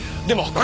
でも！